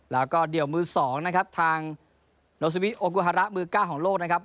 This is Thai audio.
แล้วก็เดี่ยวมือสองนะครับทางมือเก้าของโลธนะครับ